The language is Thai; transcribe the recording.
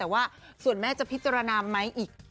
แต่ว่าส่วนแม่จะพิจารณาไหมอีก